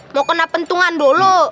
mau kena pentungan dulu